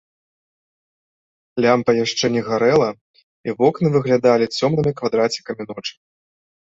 Лямпа яшчэ не гарэла, і вокны выглядалі цёмнымі квадрацікамі ночы.